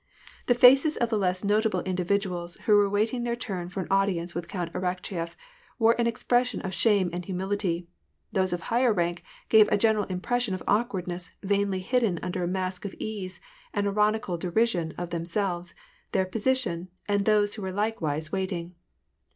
The faces of the less notable individ uals who were waiting their turn for an audience with Count Arakcheyef, wore an expression of shame and humility ; those of higher rank gave a general impression of awkwardness vainly hidden under a mask of ease and ironical derision of themselves, their position, and those who were likewise wait ing.